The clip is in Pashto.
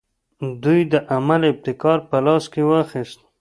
دوی د عمل ابتکار په لاس کې واخیست.